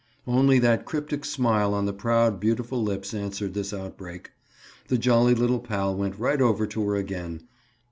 Only that cryptic smile on the proud beautiful lips answered this outbreak. The jolly little pal went right over to her again.